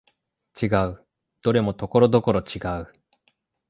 違う、どれもところどころ違う